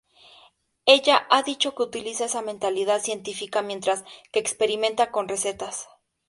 Ella ha dicho que utiliza esa mentalidad científica mientras que experimenta con recetas.